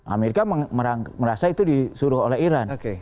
amerika merasa itu disuruh oleh iran